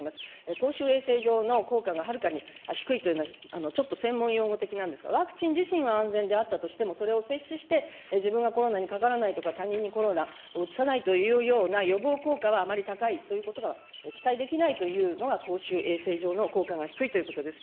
公衆衛生上の効果がはるかに低いというのは、ちょっと専門用語的なんですが、ワクチンじしんは安全であったとしても、それを接種して、自分がコロナにかからないとか、他人にコロナをうつさないというような予防効果はあまり高いということは期待できないというのが、公衆衛生上の効果が低いということです。